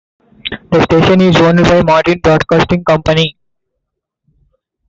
The station is owned by Martin Broadcasting Company.